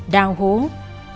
đào hố vùi lấp sát cháu bé